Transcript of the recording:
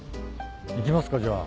行きますかじゃあ。